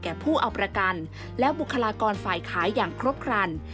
ผู้เอาประกันและบุคลากรฝ่ายขายอย่างครบครัน